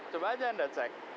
coba saja anda cek